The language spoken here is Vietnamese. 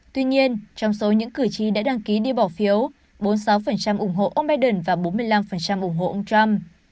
tuy nhiên trong số những cử tri đã đăng ký đi bỏ phiếu bốn mươi sáu ủng hộ ông biden và bốn mươi năm ủng hộ ông trump